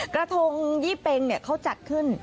กระทงยี่เป็งเขาจัดขึ้น